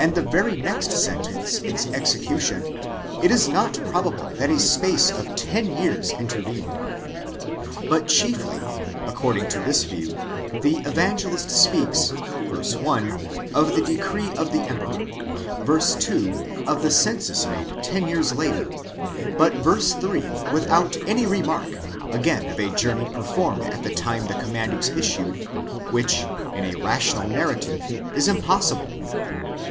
the very next sentence its execution, it is not probable that a space of ten: years intervened. But chiefly, according to this view the Evangelist speaks, verse 1, of the decree of the emperor ; verse 2, of the census made ten years later ; but verse 3, without any remark, again of a journey performed at the time the command was issued ; which, in a rational narrative, is impossible.